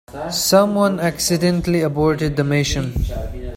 Someone accidentally aborted the mission.